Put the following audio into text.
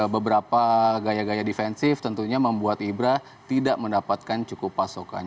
beberapa gaya gaya defensif tentunya membuat ibra tidak mendapatkan cukup pasokan